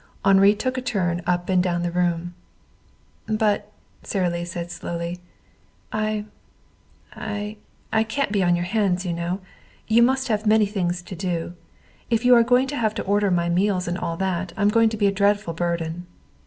Henri took a turn up and down the room. "But," said Sara Lee slowly, "I I can't be on your hands, you know. You must have many things to do. If you are going to have to order my meals and all that, I'm going to be a dreadful burden."